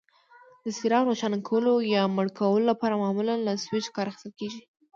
د څراغ روښانه کولو یا مړ کولو لپاره معمولا له سویچ کار اخیستل کېږي.